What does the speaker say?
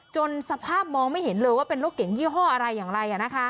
สภาพมองไม่เห็นเลยว่าเป็นรถเก่งยี่ห้ออะไรอย่างไร